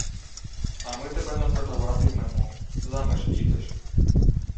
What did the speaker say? — А ми тебе не продавати-ймемо. Заміж підеш?